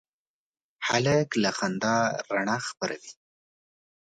هلک له خندا رڼا خپروي.